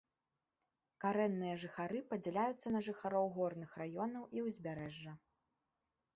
Карэнныя жыхары падзяляюцца на жыхароў горных раёнаў і ўзбярэжжа.